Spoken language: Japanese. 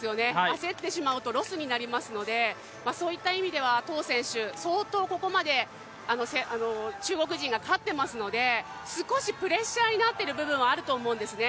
焦ってしまうとロスになりますので、そういった意味では唐選手、そういった意味では、唐選手、相当ここまで中国人が勝っていますので、少しプレッシャーになってる部分はあると思うんですね。